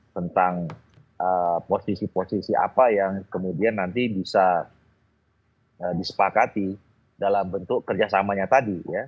tentang posisi posisi apa yang kemudian nanti bisa disepakati dalam bentuk kerjasamanya tadi